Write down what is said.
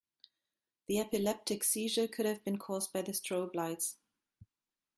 The epileptic seizure could have been cause by the strobe lights.